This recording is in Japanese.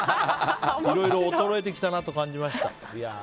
いろいろ衰えてきたなと感じました。